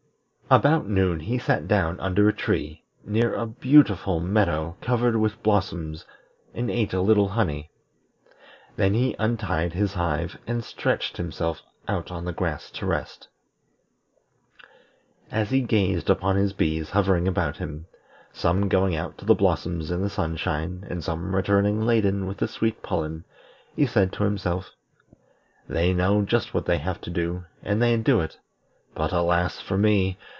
About noon he sat down under a tree, near a beautiful meadow covered with blossoms, and ate a little honey. Then he untied his hive and stretched himself out on the grass to rest. As he gazed upon his bees hovering about him, some going out to the blossoms in the sunshine, and some returning laden with the sweet pollen, he said to himself, "They know just what they have to do, and they do it; but alas for me!